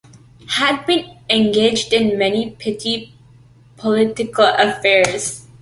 Had been engaged in many petty political affairs.